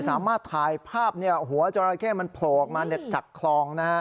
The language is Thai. สามารถถ่ายภาพหัวจราเข้มันโผล่ออกมาจากคลอง